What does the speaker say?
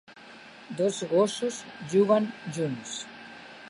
Dos gossos juguen junts.